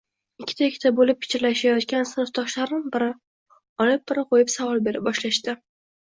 Ikkita-ikkita bo`lib pichirlashayotgan sinfdoshlarim biri olib-biri qo`yib savol bera boshlashdi